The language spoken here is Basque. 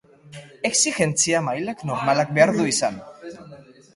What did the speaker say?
Exigentzia mailak normala behar du izan.